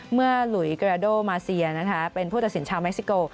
หลุยเกราโดมาเซียนะคะเป็นผู้ตัดสินชาวเม็กซิโก